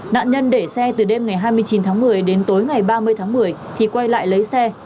nạn nhân để xe từ đêm ngày hai mươi chín tháng một mươi đến tối ngày ba mươi tháng một mươi thì quay lại lấy xe